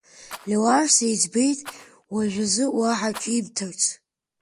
Леуарса иӡбеит уажәазы уаҳа ҿимҭрацы.